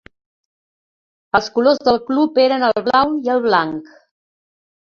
Els colors del club eren el blau i el blanc.